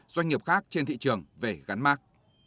doanh nghiệp khác trên thị trường về gắn mắc